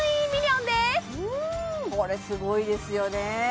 これすごいですよね